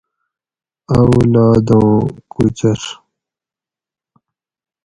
اولاداں کوچر